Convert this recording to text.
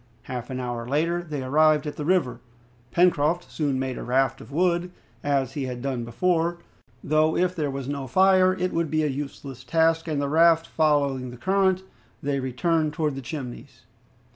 Half an hour later they arrived at the river. Pencroft soon made a raft of wood, as he had done before, though if there was no fire it would be a useless task, and the raft following the current, they returned towards the Chimneys.